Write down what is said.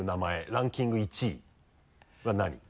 ランキング１位は何？